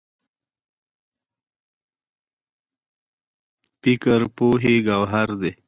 فکر پوهې ګوهر دی.